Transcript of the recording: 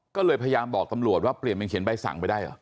ก็เลยพยายามบอกตำรวจว่าเปลี่ยนเป็นเขียนใบสั่งไปได้เหรอ